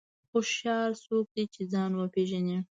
هوښیار څوک دی چې ځان وپېژني.